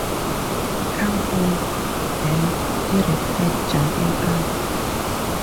“Come on, then,” he replied, jumping up.